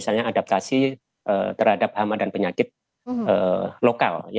misalnya adaptasi terhadap hama dan penyakit lokal